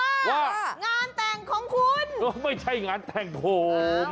ว่างานแต่งของคุณก็ไม่ใช่งานแต่งผม